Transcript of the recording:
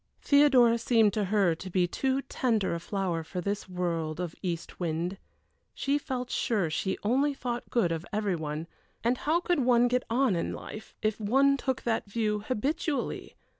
Theodora seemed to her to be too tender a flower for this world of east wind. She felt sure she only thought good of every one, and how could one get on in life if one took that view habitually!